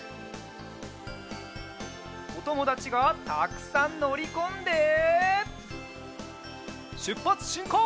おともだちがたくさんのりこんでしゅっぱつしんこう！